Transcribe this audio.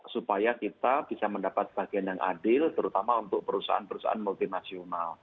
supaya kita bisa mendapat bagian yang adil terutama untuk perusahaan perusahaan multinasional